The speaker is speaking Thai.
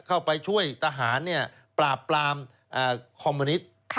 เข้าไปช่วยทหารปราบปรามคอมมิวนิต